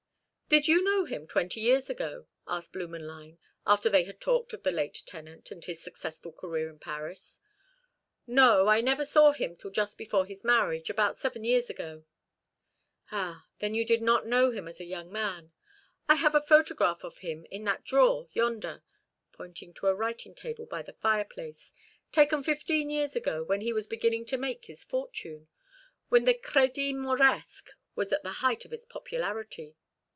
"Did you know him twenty years ago?" asked Blümenlein, after they had talked of the late tenant, and his successful career in Paris. "No, I never saw him till just before his marriage, about seven years ago." "Ah, then you did not know him as a young man. I have a photograph of him in that drawer, yonder," pointing to a writing table by the fireplace, "taken fifteen years ago, when he was beginning to make his fortune; when the Crédit Mauresque was at the height of its popularity.